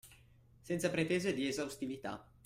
Senza pretese di esaustività